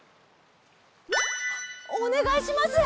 おねがいします。